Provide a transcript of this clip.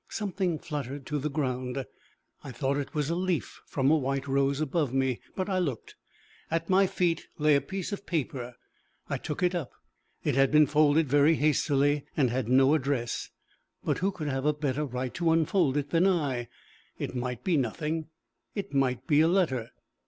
Something fluttered to the ground. I thought it was a leaf from a white rose above me, but I looked. At my feet lay a piece of paper. I took it up. It had been folded very hastily, and had no address, but who could have a better right to unfold it than I! It might be nothing; it might be a letter.